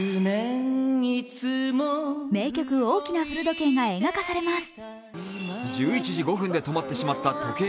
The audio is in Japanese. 名曲「大きな古時計」が映画化されます。